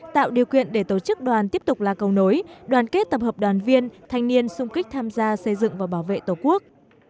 tạo điều kiện để tổ chức đoàn tiếp tục là cầu nối đoàn kết tập hợp đoàn viên thanh niên sung kích tham gia xây dựng và bảo vệ tổ quốc